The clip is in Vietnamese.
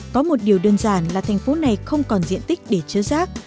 có một điều đơn giản là thành phố này không còn diện tích để chứa rác